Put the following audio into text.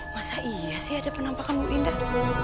masa iya sih ada penampakan bu indah